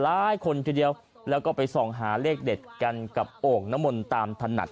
หลายคนทีเดียวแล้วก็ไปส่องหาเลขเด็ดกันกับโอ่งน้ำมนต์ตามถนัด